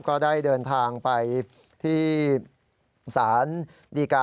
ก็ได้เดินทางไปที่ศาลดีกา